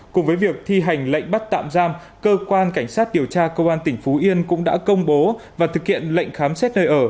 cùng với việc thi hành lệnh bắt tạm giam cơ quan cảnh sát điều tra công an tỉnh phú yên cũng đã công bố và thực hiện lệnh khám xét nơi ở